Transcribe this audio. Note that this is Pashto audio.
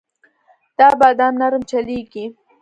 دا باد نرم چلېږي.